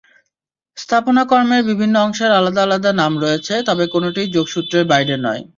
স্থাপনাকর্মের বিভিন্ন অংশের আলাদা আলাদা নাম রয়েছে, তবে কোনোটিই যোগসূত্রের বাইরে নয়।